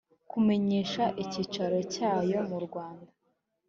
kumenyesha icyicaro cyayo mu rwanda